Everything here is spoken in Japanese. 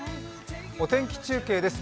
お天気中継です。